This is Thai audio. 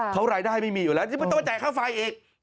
เขารายได้ไม่มีอยู่แล้วที่ไม่ต้องมาจ่ายค่าไฟอีก